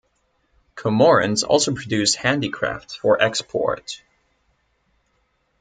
Comorans also produce handicrafts for export.